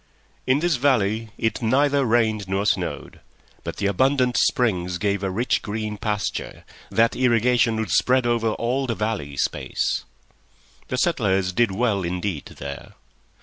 In this valley it neither rained nor snowed, but the abundant springs gave a rich green pasture, that irrigation would spread over all the valley space. The settlers did well indeed there.